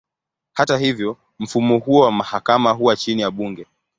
Hata hivyo, mfumo huo wa mahakama huwa chini ya bunge.